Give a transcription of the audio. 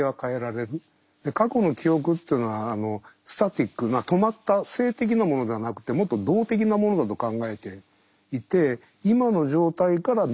過去の記憶っていうのはスタティックな止まった静的なものではなくてもっと動的なものだと考えていて今の状態から見た過去ですから。